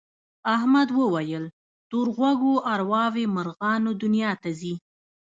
احمد وویل تور غوږو ارواوې مرغانو دنیا ته ځي.